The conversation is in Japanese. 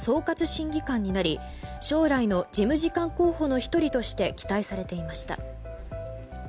審議官になり将来の事務次官候補の１人として期待されていました。